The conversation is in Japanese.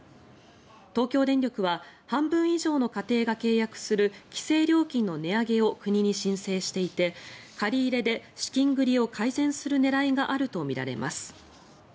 東京電力は半分以上の家庭が契約する規制料金の値上げを国に申請していて借り入れで資金繰りを改善する狙いがあるとみられます。